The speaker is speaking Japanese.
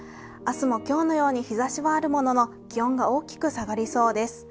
明日も今日のように日ざしはあるものの、気温が大きく下がりそうです。